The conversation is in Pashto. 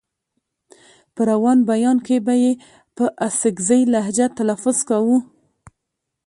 په روان بيان کې به يې په اڅکزۍ لهجه تلفظ کاوه.